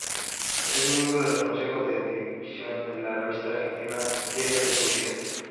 Es miembro del consejo de dirección de la revista argentina "Diario de Poesía".